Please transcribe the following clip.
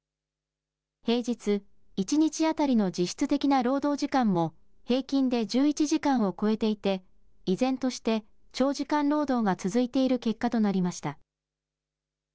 平日、１日当たりの実質的な労働時間も、平均で１１時間を超えていて、依然として長時間労働が続いている結果となりました。